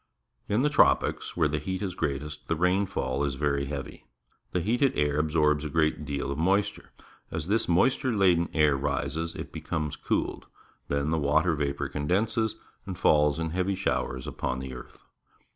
In the tropics, where the heat is greatest, the rainfall is very heavy. The heated air absorbs a great deal of moisture. As this moisture laden air rises, it becomes cooled. Then the water vapour condenses and falls in heavy showers upon the earth.